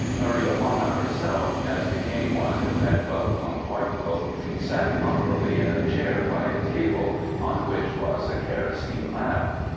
Maria Ju ana herself, as became one who had dwelt among white folk, sat properly in a chair by a table on which was a kerosene lamp.